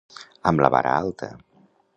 Amb la vara alta.